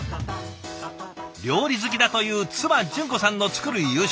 料理好きだという妻淳子さんの作る夕食。